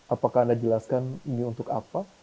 apakah anda jelaskan ini untuk apa